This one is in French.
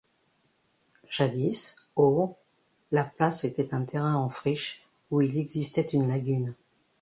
Jadis, au la place était un terrain en friche où il existait une lagune.